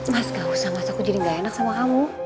mas gak usah aku jadi gak enak sama kamu